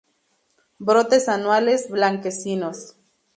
Brotes anuales, blanquecinos.